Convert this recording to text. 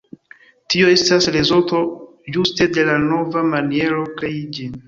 Tio estas rezulto ĝuste de la nova maniero krei ĝin.